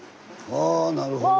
あなるほど。